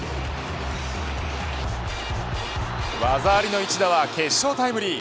技ありの一打は決勝タイムリー。